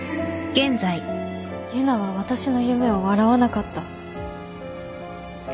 結奈は私の夢を笑わなかった。